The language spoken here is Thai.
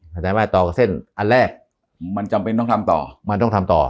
แสดงว่าต่อกับเส้นอันแรกมันจำเป็นต้องทำต่อมันต้องทำต่อ